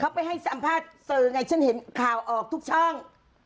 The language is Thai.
เขาไปให้สัมภาษณ์สื่อไงฉันเห็นข่าวออกทุกช่อง